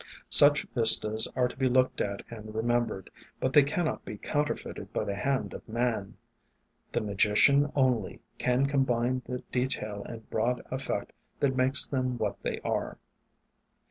Such vistas are to be looked at and remembered, but they cannot be counterfeited by the hand of man. The Magician only can combine the detail and broad effect that makes them what they are.